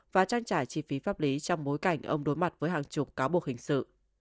và trang trải chi phí pháp lý trong bối cảnh ông đối mặt với hàng chục cáo buộc hình sự